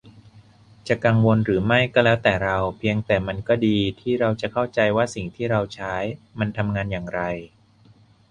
จะกังวลหรือไม่ก็แล้วแต่เรา เพียงแต่มันก็ดีที่เราจะเข้าใจว่าสิ่งที่เราใช้มันทำงานอย่างไร